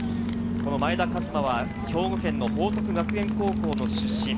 この前田和摩は兵庫県の報徳学園高校の出身。